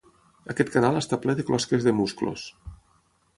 Aquest canal està ple de closques de musclos.